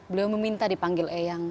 beliau meminta dipanggil eyang